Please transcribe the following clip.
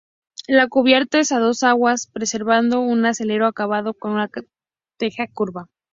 La cubierta es a dos aguas, presentando un alero acabando en una teja curva.